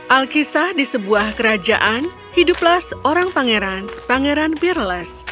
alkisah di sebuah kerajaan hiduplah seorang pangeran pangeran pirles